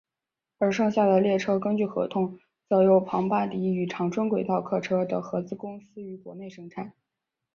而剩下的列车根据合同则由庞巴迪与长春轨道客车的合资公司于国内生产。